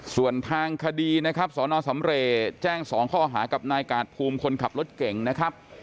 ส่วนทางคดีนะครับสนสำเรย์แจ้ง๒ข้อหากับนายกาดภูมิคนขับรถเก่งนะครับ